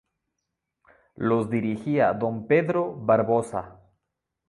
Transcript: Los dirigía Don Pedro Barboza.